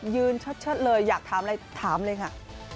เชิดเลยอยากถามอะไรถามเลยค่ะ